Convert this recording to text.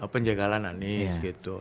penjagalan anies gitu